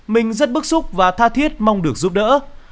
mình rất bức xúc và tha thiết mong được giúp đỡ